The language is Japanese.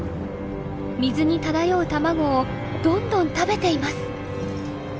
水に漂う卵をどんどん食べています。